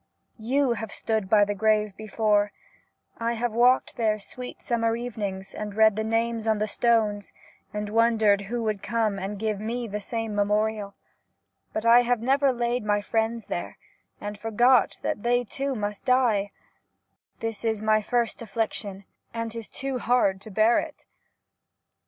Yott have stood by the grave before ; I have walked there sweet summer evenings and read the names on the stones, and wondered who would come and give me the same memorial ; but I never have laid my friends there, and forgot that they too must die ; this is my first affliction, and indeed 'tis hard to bear it.